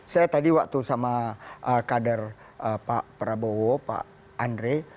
saya tadi waktu sama kader pak prabowo pak andre